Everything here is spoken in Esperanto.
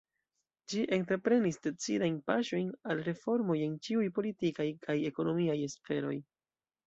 Ĝi entreprenis decidajn paŝojn al reformoj en ĉiuj politikaj kaj ekonomiaj sferoj.